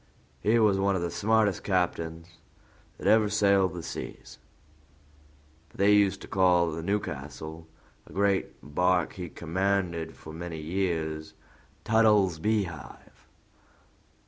He was one of the smartest captains that ever sailed the seas, but they used to call the Newcastle, a great bark he commanded for many years, Tuttle's beehive.